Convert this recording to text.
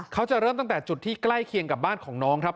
เขาจะเริ่มตั้งแต่จุดที่ใกล้เคียงกับบ้านของน้องครับ